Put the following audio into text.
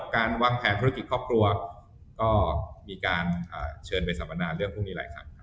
การวางแผนธุรกิจครอบครัวก็มีการเชิญไปสัมมนาเรื่องพวกนี้หลายครั้งครับ